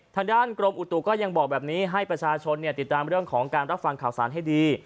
ทางด้านกรมอุตุก็ยังบอกแบบนี้ให้ประชาชนติดตามเรื่องของการรับฟังข่าวสารให้ดี